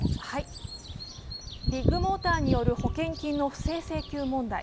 ビッグモーターによる保険金の不正請求問題。